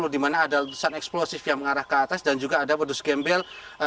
di mana ada letusan eksplosif yang mengarah ke atas dan juga ada pedus gembel